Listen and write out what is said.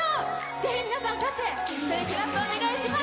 ぜひ皆さん立って一緒にクラップお願いします。